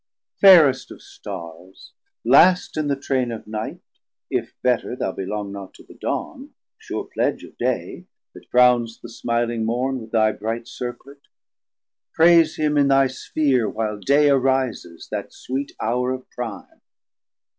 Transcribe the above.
Fairest of Starrs, last in the train of Night, If better thou belong not to the dawn, Sure pledge of day, that crownst the smiling Morn With thy bright Circlet, praise him in thy Spheare While day arises, that sweet hour of Prime.